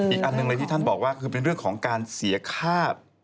อีกอันหนึ่งเลยที่ท่านบอกว่าคือเป็นเรื่องของการเสียค่า